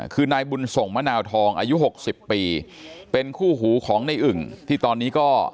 คือนายบุญส่งมะนาวทองอายุหกสิบปีเป็นคู่หูของในอึ่งที่ตอนนี้ก็